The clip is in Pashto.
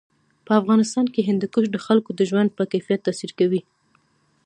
په افغانستان کې هندوکش د خلکو د ژوند په کیفیت تاثیر کوي.